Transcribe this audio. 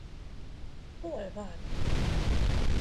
Hol van?